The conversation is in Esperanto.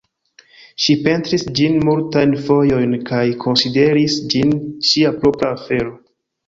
Ŝi pentris ĝin multajn fojojn kaj konsideris ĝin ŝia propra afero.